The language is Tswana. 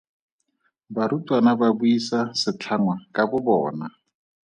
Barutwana ba buisa setlhangwa ka bobona.